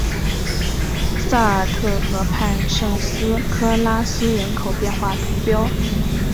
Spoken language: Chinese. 萨尔特河畔圣斯科拉斯人口变化图示